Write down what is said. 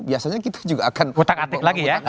biasanya kita juga akan kutang atik lagi ya